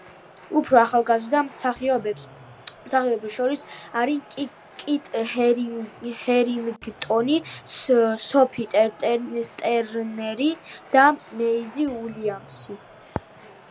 უფრო ახალგაზრდა მსახიობებს შორის არიან კიტ ჰერინგტონი, სოფი ტერნერი და მეიზი უილიამსი.